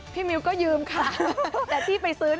มิวก็ยืมค่ะแต่ที่ไปซื้อ